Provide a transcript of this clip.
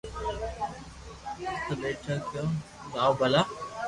ايتا پيئا ڪيو لاو ڀلا